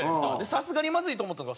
さすがにまずいと思ったのか